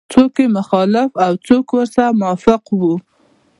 څوک یې مخالف او څوک ورسره موافق وو.